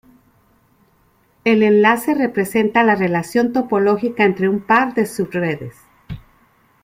El enlace representa la relación topológica entre un par de subredes.